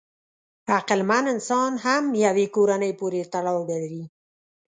عقلمن انسان هم یوې کورنۍ پورې تړاو لري.